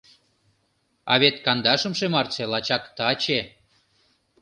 А вет Кандашымше Мартше лачак таче.